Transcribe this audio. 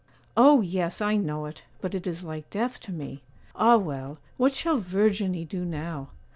'Oh! yes, I know it; but it is like death to me! Ah, well, what shall Verginie do now?